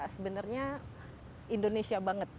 sebenarnya indonesia banget